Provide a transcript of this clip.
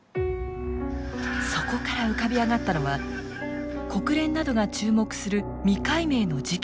そこから浮かび上がったのは国連などが注目する未解明の事件の真相。